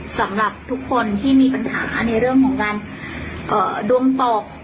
สำหรับทุกคนที่มีปัญหาในเรื่องของการดวงตก